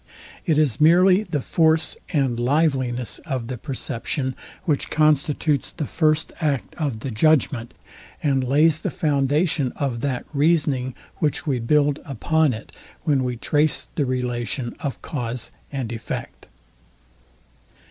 It is merely the force and liveliness of the perception, which constitutes the first act of the judgment, and lays the foundation of that reasoning, which we build upon it, when we trace the relation of cause and effect.